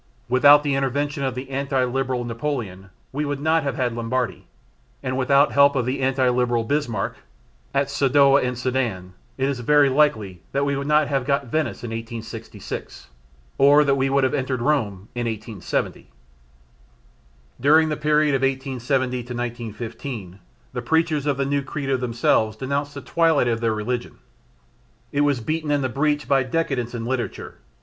Without the intervention of the anti Liberal Napoleon we would not have had Lombardy, and without the help of the anti Liberal Bismarck at Sadowa and Sedan it is very likely that we would not have got Venice in 1866, or that we would have entered Rome in 1870. During the period of 1870 1915 the preachers of the new Credo themselves denounced the twilight of their religion; it was beaten in the breach by decadence in literature.